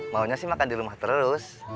maunya sih makan di rumah terus